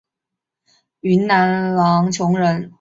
云南浪穹人。